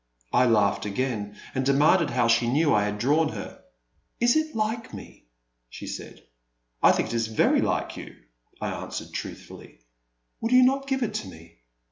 I laughed again, and demanded how she knew I had drawn her. Is it like me ?" she said. "I think it is very like you," I answered truthfully. Will you not give it to me